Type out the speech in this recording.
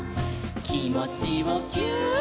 「きもちをぎゅーっ」